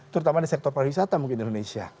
terutama di sektor perusahaan mungkin di indonesia